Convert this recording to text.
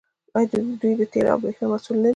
آیا دوی د تیلو او بریښنا مسوول نه دي؟